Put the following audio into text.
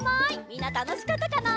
みんなたのしかったかな？